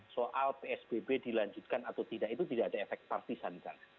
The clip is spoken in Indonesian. soal psbb dilanjutkan atau tidak itu tidak ada efek partisan kan